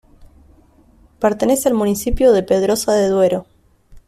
Pertenece al municipio de Pedrosa de Duero.